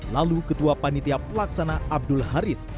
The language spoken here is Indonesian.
lalu ketua panitia pelaksana abdul haris